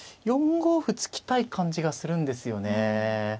４五歩突きたい感じがするんですよね。